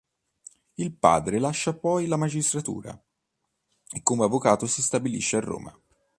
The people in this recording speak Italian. Il padre lascia poi la magistratura e come avvocato si stabilisce a Roma.